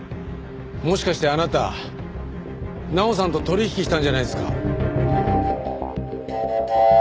もしかしてあなた奈央さんと取引したんじゃないですか？